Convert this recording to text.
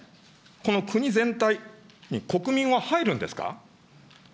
この国全体に、国民は入るんですか。